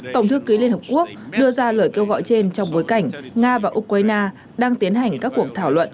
tổng thư ký liên hợp quốc đưa ra lời kêu gọi trên trong bối cảnh nga và ukraine đang tiến hành các cuộc thảo luận